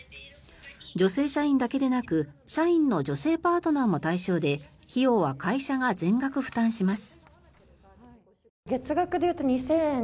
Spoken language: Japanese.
女性社員だけでなく社員の女性パートナーも対象で費用は会社が全額負担します。